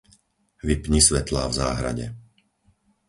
Vypni svetlá v záhrade.